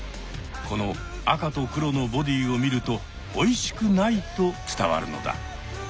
この赤と黒のボディーを見るとおいしくないと伝わるのだ。